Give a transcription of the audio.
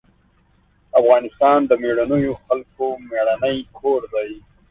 افغانستان د مېړنيو خلکو مېړنی کور دی.